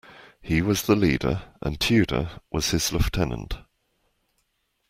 He was the leader, and Tudor was his lieutenant.